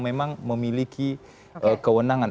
memang memiliki kewenangan